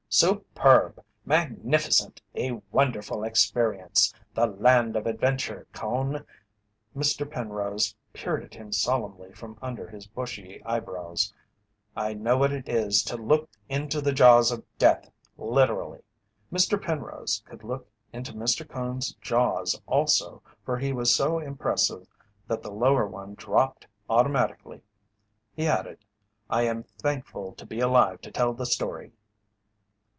"Superb! Magnificent! A wonderful experience! The Land of Adventure! Cone," Mr. Penrose peered at him solemnly from under his bushy eyebrows, "I know what it is to look into the jaws of Death, literally!" Mr. Penrose could look into Mr. Cone's jaws also, for he was so impressive that the lower one dropped automatically. He added: "I am thankful to be alive to tell the story."